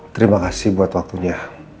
terima kasih buat waktunya